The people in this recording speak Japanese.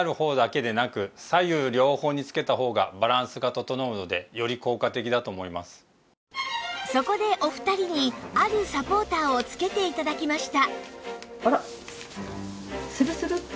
この状態のままではしかもそこでお二人にあるサポーターを着けて頂きました